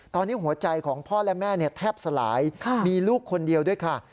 ตอนนี้หัวใจของพ่อและแม่แทบสลายมีลูกคนเดียวด้วยค่ะ